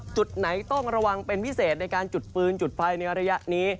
จุดไหนต้องระวังเป็นพิเศษในการจุดฟืนจุดไฟในระยะนี้